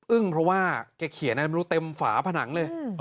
อึ้งเพราะว่าเขาเขียนนักมันเป็นเต็มฝาผนังเลย